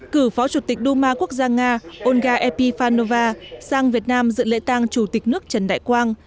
cử phó chủ tịch đu ma quốc gia nga olga epifanova sang việt nam dự lệ tàng chủ tịch nước trần đại quang